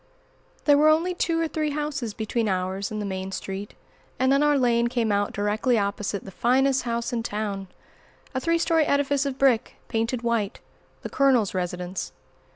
THERE were only two or three houses between ours and the main street, and then our lane came out directly opposite the finest house in town, a three story edifice of brick, painted white, the "Colonel's" residence.